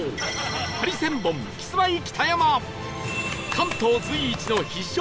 関東随一の必勝